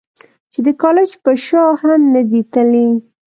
چې د کالج پۀ شا هم نۀ دي تلي -